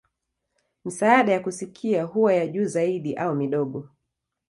Misaada ya kusikia huwa ya juu zaidi au midogo.